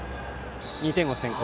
２点を先行。